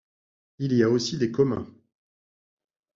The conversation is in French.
Il y a aussi des communs.